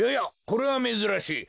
これはめずらしい。